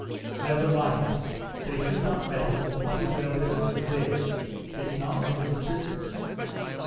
"Never mind; they should not meddle with what is no business of theirs. It's not women's business."